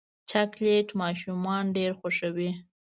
چاکلېټ ماشومان ډېر خوښوي.